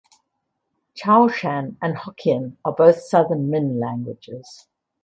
Chaoshan and Hokkien are both Southern Min languages.